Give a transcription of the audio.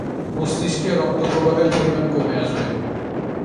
মস্তিষ্কে রক্ত প্রবাহের পরিমাণ কমে আসবে।